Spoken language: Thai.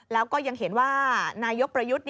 แล้วก็ยังเห็นว่านายกประยุทธ์